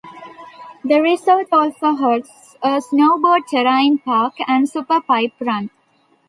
The resort also hosts a snowboard Terrain Park and Super Pipe run.